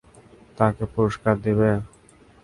তোকে পুরস্কার দিবে?